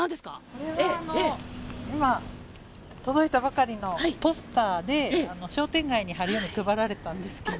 これは今、届いたばかりのポスターで、商店街に貼るように配られたんですけど。